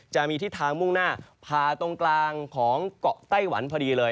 จะมีทิศทางมุ่งหน้าผ่าตรงกลางของเกาะไต้หวันพอดีเลย